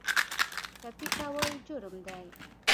ټپي کول جرم دی.